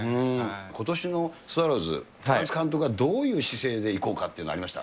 ことしのスワローズ、高津監督はどういう姿勢でいこうかっていうの、ありました？